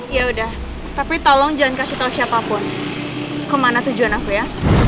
ya udah tapi tolong jangan kasih tahu siapapun kemana tujuan aku ya